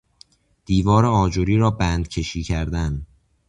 دیوار آجری را بند کشی کردن